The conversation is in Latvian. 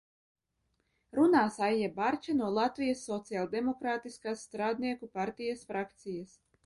Runās Aija Barča no Latvijas Sociāldemokrātiskās strādnieku partijas frakcijas.